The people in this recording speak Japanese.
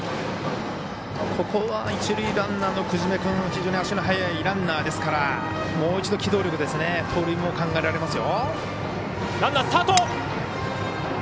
ここは、一塁ランナー久次米君、非常に足の速いランナーですからもう一度、機動力で盗塁も考えられますよ。